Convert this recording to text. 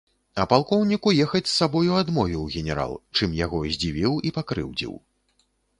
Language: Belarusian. А палкоўніку ехаць з сабою адмовіў генерал, чым яго здзівіў і пакрыўдзіў.